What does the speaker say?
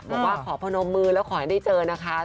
บอกว่าขอพนมมือแล้วขอให้ได้เจอนะคะ